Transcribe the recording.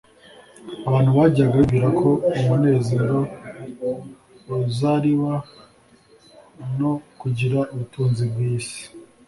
Abantu bajyaga bibwira ko umunezero uzariwa no kugira ubutunzi bw'iyi si,